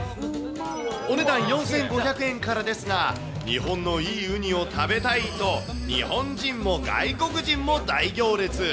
お値段４５００円からですが、日本のいいウニを食べたいと、日本人も外国人も大行列。